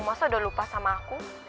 masa udah lupa sama aku